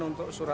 untuk kpu ri